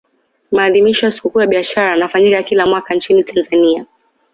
maadhimisho ya sikukuu ya biashara yanafanyika kila mwaka nchini tanzania